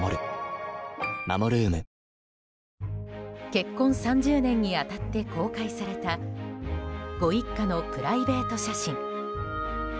結婚３０年に当たって公開されたご一家のプライベート写真。